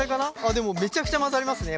でもめちゃくちゃ混ざりますね